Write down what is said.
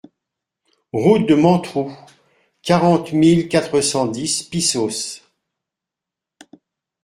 Route de Menroux, quarante mille quatre cent dix Pissos